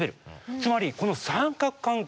つまりこの三角関係。